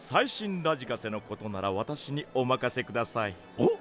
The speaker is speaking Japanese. おっ！